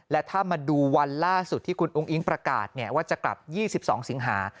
และถ้ามาดูวันล่าสุดที่คุณอุ้งอิ๊งประกาศว่าจะกลับ๒๒สิงหา